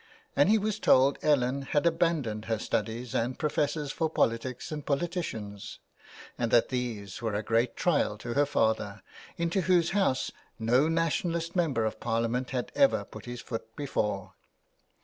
And he was told that Ellen had abandoned her studies and professors for politics and politicians, and that these were a great trial to her father, into whose house no Nationalist member of Parliament had ever put his foot before.